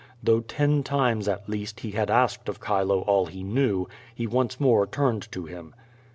Though ten times, at least, he had asked of Chilo all he knew, he once more turned to him.